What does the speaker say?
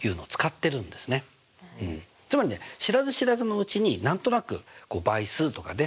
つまりね知らず知らずのうちに何となく倍数とかね